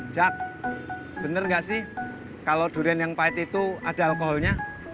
jack bener gak sih kalo durian yang pahit itu ada alkoholnya